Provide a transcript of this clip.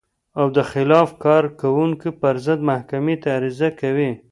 و د خلاف کارۍ کوونکو پر ضد محکمې ته عریضه کوي.